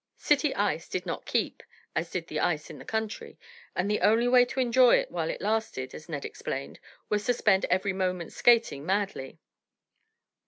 City ice did not "keep" as did the ice in the country, and the only way to enjoy it while it lasted, as Ned explained, was to spend every moment skating madly.